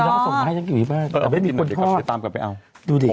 บอกให้อีหนุ่มกลับไปเอามาสิ